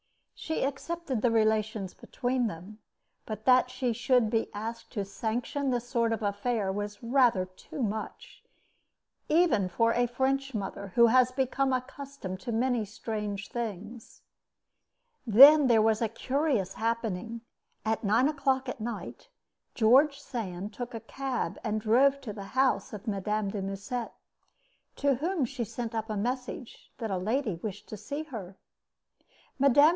She accepted the relations between them, but that she should be asked to sanction this sort of affair was rather too much, even for a French mother who has become accustomed to many strange things. Then there was a curious happening. At nine o'clock at night, George Sand took a cab and drove to the house of Mme. de Musset, to whom she sent up a message that a lady wished to see her. Mme.